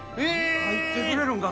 入ってくれるんか？